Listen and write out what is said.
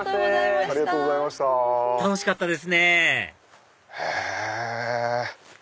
楽しかったですねへぇ。